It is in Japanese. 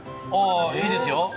あいいですよ。